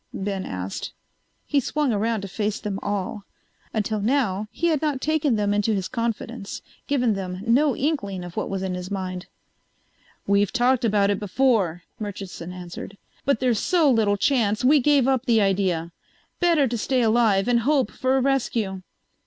Ben asked. He swung around to face them all. Until now he had not taken them into his confidence, given them no inkling of what was in his mind. "We've talked about it before," Murchison answered. "But there's so little chance we gave up the idea. Better to stay alive and hope for a rescue."